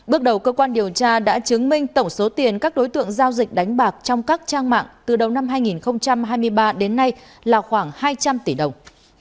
bước đầu cơ quan điều tra đã chứng minh tổng số tiền các đối tượng giao dịch đánh bạc trong các trang mạng từ đầu năm hai nghìn hai mươi ba đến nay là khoảng hai trăm linh tỷ đồng